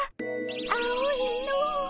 青いの。